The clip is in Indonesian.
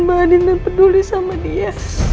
dibandingin dan peduli sama dia